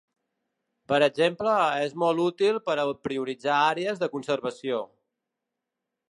Per exemple, és molt útil per a prioritzar àrees de conservació.